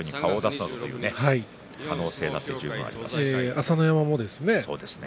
朝乃山もですね。